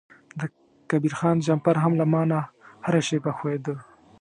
د کبیر خان جمپر هم له ما نه هره شیبه ښویده.